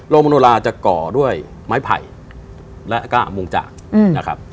โรงมโนลาจะก่อด้วยไม้ไผ่และกล้ามวงจักร